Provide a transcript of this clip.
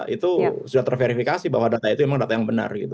itu sudah terverifikasi bahwa data itu memang data yang benar gitu